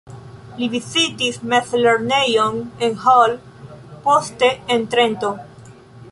Li vizitis mezlernejon en Hall, poste en Trento.